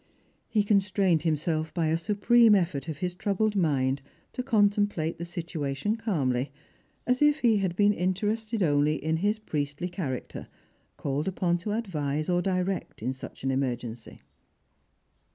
He constrained himself by a supreme eii'ort of his troubled mind to contemplate the situation calmly, as if he had been interested only in his priestly character, called upon, to advise or direct in such an emergency.